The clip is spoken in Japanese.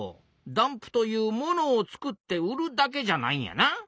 ダンプというものをつくって売るだけじゃないんやな。